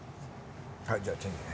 はいじゃあチェンジね。